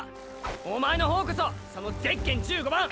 おまえのほうこそそのゼッケン１５番！